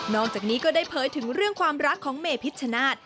อกจากนี้ก็ได้เผยถึงเรื่องความรักของเมพิชชนาธิ์